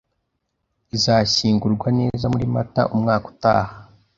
izashyingurwa neza muri Mata umwaka utaha